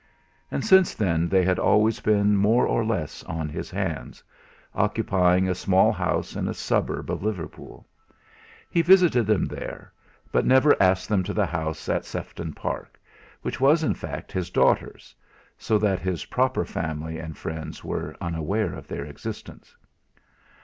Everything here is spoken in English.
And since then they had always been more or less on his hands, occupying a small house in a suburb of Liverpool. He visited them there, but never asked them to the house in Sefton Park, which was in fact his daughter's; so that his proper family and friends were unaware of their existence.